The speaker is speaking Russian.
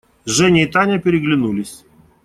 Женя и Таня переглянулись.